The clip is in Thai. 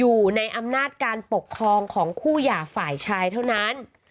อยู่ในอำนาจการปกครองของคู่หย่าฝ่ายชายเท่านั้น